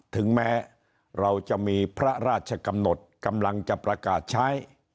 ถึงแม้เราจะมีพระราชกำหนดกำลังจะประกาศใช้